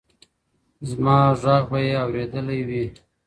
زه به ږغ اورېدلی وي!؟